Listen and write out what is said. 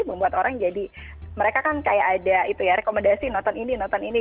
membuat orang jadi mereka kan kayak ada itu ya rekomendasi nonton ini nonton ini